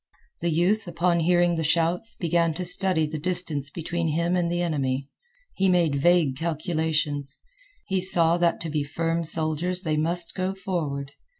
The youth, upon hearing the shouts, began to study the distance between him and the enemy. He made vague calculations. He saw that to be firm soldiers they must go forward.